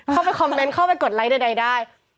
เข้าไปคอมเมนต์เข้าไปกดไลคใดได้